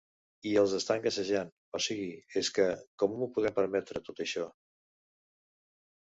I els estan gasejant, o sigui és que: com ho podem permetre, tot això?